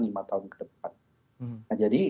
lima tahun ke depan nah jadi